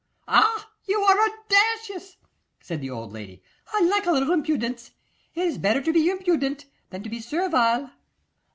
'Ah! you are audacious,' said the old lady. 'I like a little impudence. It is better to be impudent than to be servile.